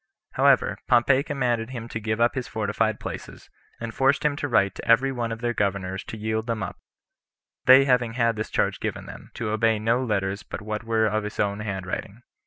However, Pompey commanded him to give up his fortified places, and forced him to write to every one of their governors to yield them up; they having had this charge given them, to obey no letters but what were of his own hand writing.